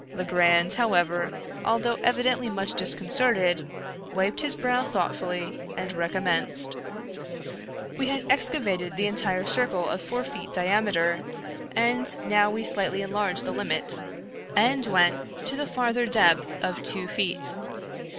Legrand, however, although evidently much disconcerted, wiped his brow thoughtfully and recommenced. We had excavated the entire circle of four feet diameter, and now we slightly enlarged the limit, and went to the farther depth of two feet.